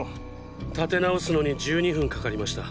建て直すのに１２分かかりました。